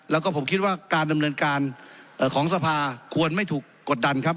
แล้วก็ผมคิดว่าการดำเนินการของสภาควรไม่ถูกกดดันครับ